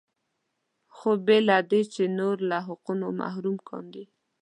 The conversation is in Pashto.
خو بې له دې چې نور له حقونو محروم کاندي.